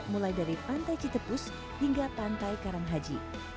mulai dari pantai citepus hingga pantai karanghaji